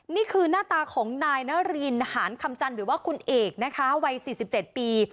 นี่คือหน้าตาของนายนารินหารคำจันทร์หรือว่าคุณเอกนะคะวัย๔๗ปี